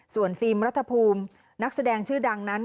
ส่วนฟิล์มรัฐภูมินักแสดงชื่อดังนั้น